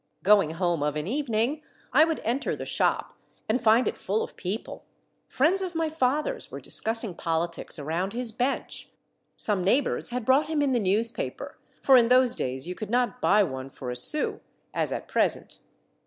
Going home of an evening, I would enter the shop, and find it full of people ; friends of my father's were discussing politics around his bench; some neighbors had brought him in the newspaper, for in those days you could not buy one for a sou, as at present.